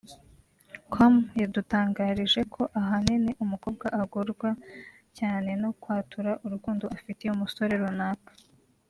com yadutangarije ko ahanini umukobwa agorwa cyane no kwatura urukundo afitiye umusore runaka